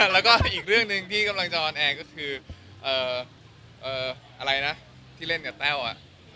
แล้วก็อีกเรื่องหนึ่งที่กำลังจะออนแอร์ก็คืออะไรนะที่เล่นกับแต้วอ่ะ